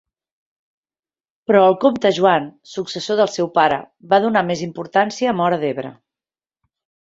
Però el comte Joan, successor del seu pare, va donar més importància a Móra d'Ebre.